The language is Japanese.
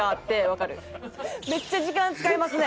めっちゃ時間使いますね。